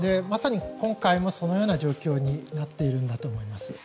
まさに今回もそのような状況になっているんだと思います。